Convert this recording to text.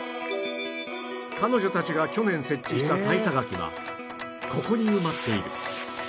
彼女たちが去年設置した堆砂垣はここに埋まっている